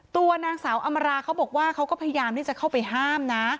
ตัวนางสาวอำราเขาบอกว่าเขาก็พยายามที่จะเข้าไปห้ามนะ